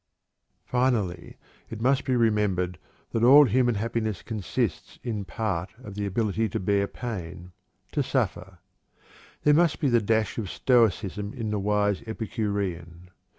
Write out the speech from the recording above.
Finally, it must be remembered that all human happiness consists in part of the ability to bear pain to suffer. There must be the dash of Stoicism in the wise Epicurean.